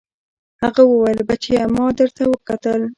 هغه وويل بچيه ما درته کتل.